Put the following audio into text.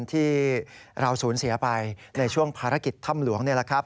ที่เราสูญเสียไปในช่วงภารกิจถ้ำหลวงนี่แหละครับ